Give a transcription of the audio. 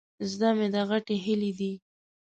زده مې ده، غټې هيلۍ دي.